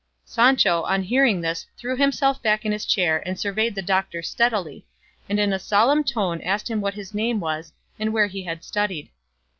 Sancho on hearing this threw himself back in his chair and surveyed the doctor steadily, and in a solemn tone asked him what his name was and where he had studied.